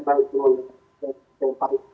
bisa masuk ke pesta demokrasi